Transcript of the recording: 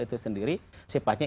itu sendiri sifatnya